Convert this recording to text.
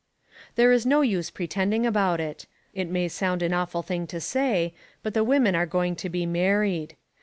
There is no use pretending about it. It may sound an awful thing to say, but the women are going to be married.